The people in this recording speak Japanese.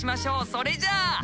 それじゃあ。